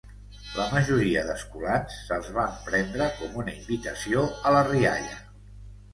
La majoria d'escolans se'ls van prendre com una invitació a la rialla.